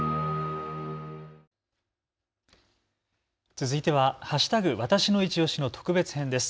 続いては＃わたしのいちオシの特別編です。